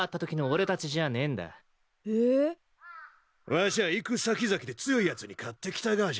わしは行く先々で強いやつに勝ってきたがじゃ。